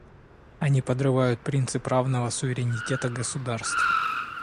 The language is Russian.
Они подрывают принцип равного суверенитета государств.